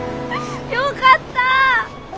よかった！